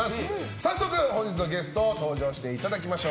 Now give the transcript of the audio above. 早速、本日のゲスト登場していただきましょう。